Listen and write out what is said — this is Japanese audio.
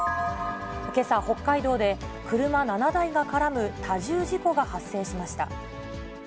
けさ、北海道で、車７台が絡む多重事故が発生しました。